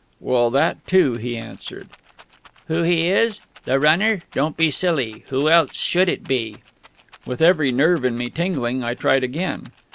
Well, that too he answered. "Who he is? The Runner?... Don't be silly. Who else should it be?" With every nerve in me tingling, I tried again.